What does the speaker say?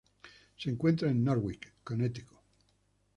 Se encuentra en Norwich, Connecticut.